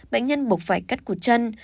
bệnh nhân bộc phải cắt cụt chân